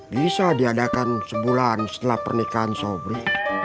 bisa diadakan sebulan setelah pernikahan sobri